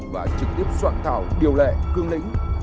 và trực tiếp soạn thảo điều lệ cương lĩnh